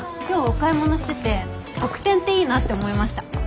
今日お買い物してて特典っていいなって思いました。